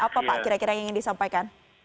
apa pak kira kira yang ingin disampaikan